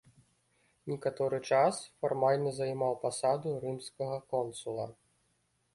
Некаторы час фармальна займаў пасаду рымскага консула.